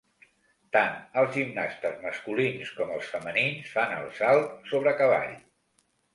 Tan els gimnastes masculins com el femenins fan el salt sobre cavall.